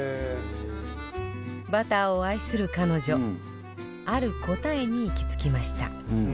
バターを愛する彼女ある答えに行き着きました